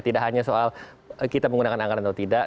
tidak hanya soal kita menggunakan anggaran atau tidak